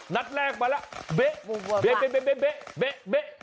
นัดแรกมาแล้วเบ๊ะเบ๊ะเบ๊ะเบ๊ะ